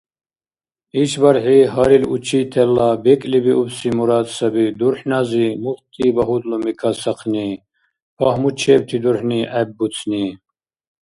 ИшбархӀи гьарил учителла бекӀлибиубси мурад саби дурхӀнази мурхьти багьудлуми касахъни, пагьмучебти дурхӀни гӀеббуцни.